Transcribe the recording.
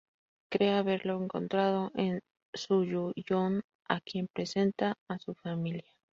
Cree haberlo encontrado en Su-hyon a quien presenta a su familia.